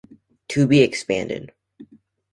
"To be expanded".